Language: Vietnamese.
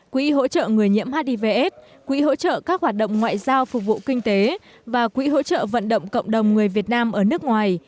quỹ hỗ trợ người nhiễm hivs quỹ hỗ trợ các hoạt động ngoại giao phục vụ kinh tế và quỹ hỗ trợ vận động cộng đồng người việt nam ở nước ngoài